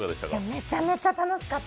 めちゃめちゃ楽しかった。